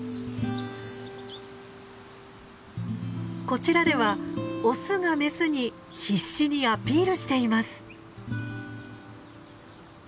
こちらではオスがメスに必死にアピールしています。